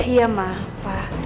iya ma pak